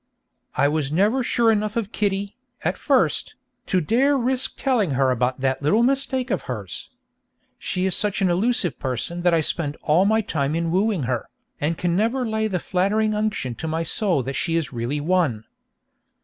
I was never sure enough of Kitty, at first, to dare risk telling her about that little mistake of hers. She is such an elusive person that I spend all my time in wooing her, and can never lay the flattering unction to my soul that she is really won.